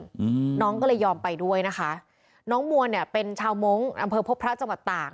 อืมน้องก็เลยยอมไปด้วยนะคะน้องมัวเนี้ยเป็นชาวมงค์อำเภอพบพระจังหวัดตาก